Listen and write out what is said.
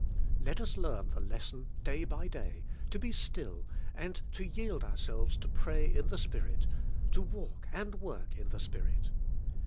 Let us learn the lesson day by day, to be still and to yield ourselves to pray in the Spirit; to walk and work in the Spirit.